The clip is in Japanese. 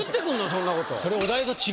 そんなこと。